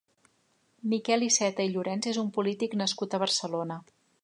Miquel Iceta i Llorens és un polític nascut a Barcelona.